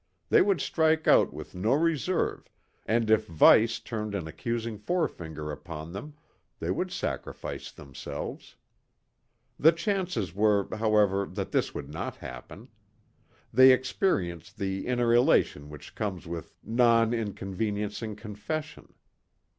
They would strike out with no reserve and if Vice turned an accusing forefinger upon them, they would sacrifice themselves. The chances were, however, that this would not happen. They experienced the inner elation which comes with non inconveniencing confession.